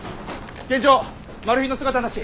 現場マル被の姿なし。